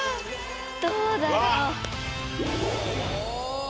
どうだろう？うわ！